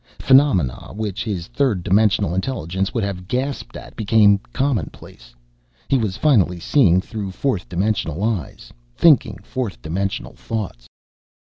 Phenomena, which his third dimensional intelligence would have gasped at, became commonplace. He was finally seeing through fourth dimensional eyes, thinking fourth dimensional thoughts.